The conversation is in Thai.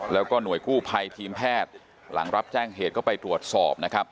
แล้วก็หน่วยกู้ภัยทีมแพทย์หลังรับแจ้งเหตุก็ไปตรวจสอบนะครับ